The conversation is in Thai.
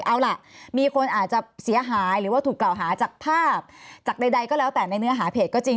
เอาล่ะมีคนอาจจะเสียหายหรือว่าถูกกล่าวหาจากภาพจากใดก็แล้วแต่ในเนื้อหาเพจก็จริง